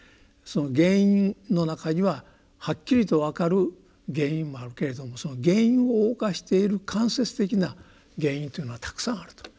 原因の中にははっきりと分かる原因もあるけれども原因を動かしている間接的な原因というのはたくさんあると。